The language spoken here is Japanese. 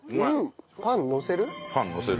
パンのせる？